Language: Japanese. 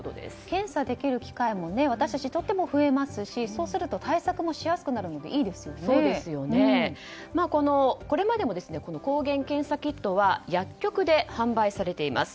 検査できる機会も私たちはとっても増えますし、そうすると対策もしやすくなるのでこれまでも抗原検査キットは薬局で販売されています。